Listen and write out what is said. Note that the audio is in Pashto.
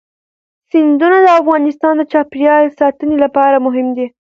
سیندونه د افغانستان د چاپیریال ساتنې لپاره مهم دي.